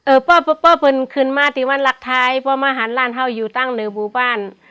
เออป้าป้าเป็นคืนมาที่วันรักไทยป้ามาหาร้านเฮ้าอยู่ตั้งในหมู่บ้าน